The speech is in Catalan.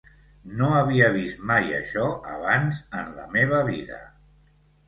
No havia vist mai això abans en la meva vida.